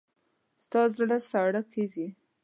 ستا زړه ساړه کېږي.